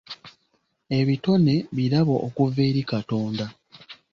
Ebitone birabo okuva eri Katonda.